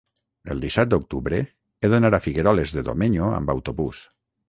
El disset d'octubre he d'anar a Figueroles de Domenyo amb autobús.